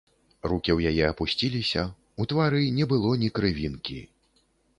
Рукі ў яе апусціліся, у твары не было ні крывінкі.